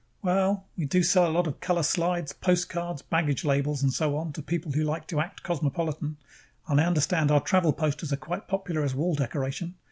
"Well, we do sell a lot of color slides, postcards, baggage labels and so on to people who like to act cosmopolitan, and I understand our travel posters are quite popular as wall decoration.